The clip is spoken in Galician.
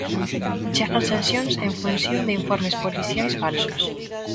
Chegan sancións en función de informes policiais falsos.